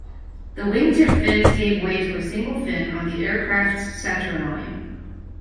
The wingtip fins gave way to a single fin on the aircraft's centreline.